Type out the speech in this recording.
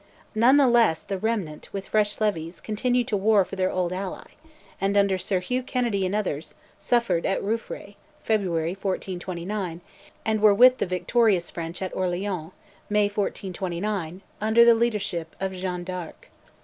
None the less the remnant, with fresh levies, continued to war for their old ally, and, under Sir Hugh Kennedy and others, suffered at Rouvray (February 1429), and were with the victorious French at Orleans (May 1429) under the leadership of Jeanne d'Arc.